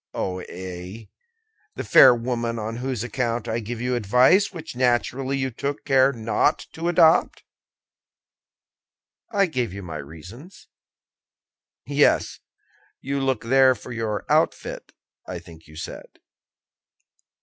"Oh, ay! the fair woman on whose account I gave you advice, which naturally you took care not to adopt." "I gave you my reasons." "Yes; you look there for your outfit, I think you said."